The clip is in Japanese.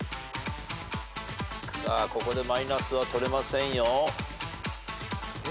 ここでマイナスは取れませんよ。